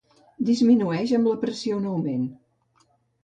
Disminueix amb la pressió en augment.